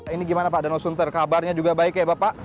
ini gimana pak danau sunter kabarnya juga baik ya bapak